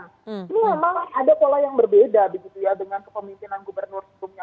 ini memang ada pola yang berbeda begitu ya dengan kepemimpinan gubernur sebelumnya